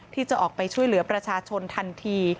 ที่จะออกไปช่วยเหลือประชาชนทันที